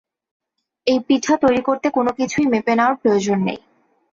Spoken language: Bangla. এই পিঠা তৈরি করতে কোনো কিছুই মেপে নেওয়ার প্রয়োজন নেই।